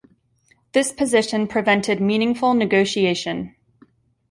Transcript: This position prevented meaningful negotiation.